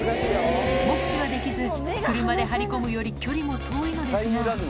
目視はできず、車で張り込むより距離も遠いのですが。